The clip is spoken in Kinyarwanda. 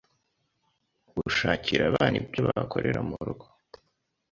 Gushakira abana ibyo bakorera mu rugo